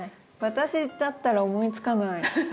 私だったら思いつかない。